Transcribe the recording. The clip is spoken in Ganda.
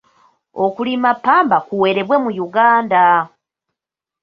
Okulima ppamba kuwerebwe mu Uganda?